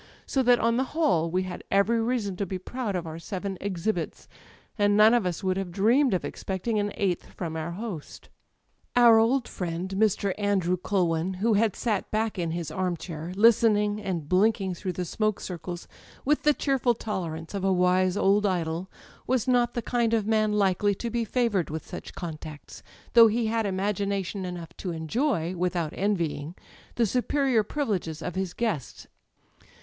So that, on the whole, we had every reason to be proud of our seven ''exhibits,'' and none of us would have dreamed of ex pecting an eighth from our host. [24S] Digitized by LjOOQ IC THE EYES Our old friend» Mr. Andrew Culwin, who had sat back in his arm ^hair, listening and blinking through the smoke circles with the cheerful tolerance of a wise^ / old [(joU was not the kind of man likely to be favoured with such contacts, though he had imagination enough to enjoy, without envying, the superior privil^es of his guests.